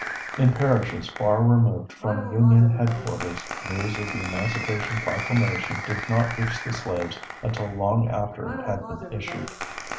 In parishes far removed from Union headquarters, news of the Emancipation Proclamation did not reach the slaves until long after it had been issued.